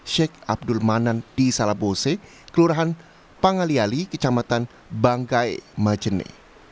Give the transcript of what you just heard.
sheikh abdul manan di salabose kelurahan pangali ali kecamatan bangkai majene